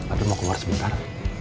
aku mau keluar sebentar